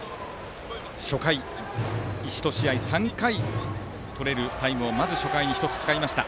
初回、１試合３回とれるタイムをまず使いました。